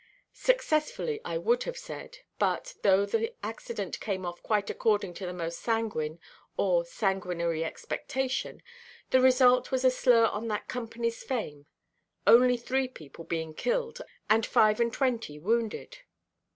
"Successfully," I would have said; but, though the accident came off quite according to the most sanguine, or sanguinary expectation, the result was a slur on that companyʼs fame; only three people being killed, and five–and–twenty wounded.